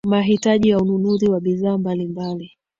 mahitaji ya ununuzi wa bidhaa mbalimbali